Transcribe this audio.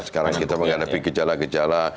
sekarang kita menghadapi gejala gejala